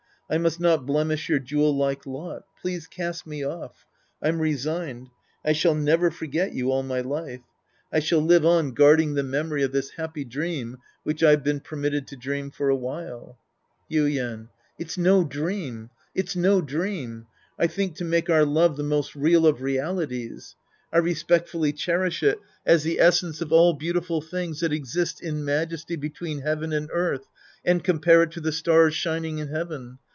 I must not blemish your jewel like lot. Please cast me off. I'm resigned. I shall never forget you all my life. I shall live on guarding 142 The Priest and His Disciples Act IV the memory of tliis happy dream which I've been permitted to dream for a while. , Yuien. It's no dream. It's no dream. I think to make our love the most real of realities. I respectfully cherish it as the essence of all beautiful things that existin majesty between heaven and earth and compare it to the stars shining in heaven.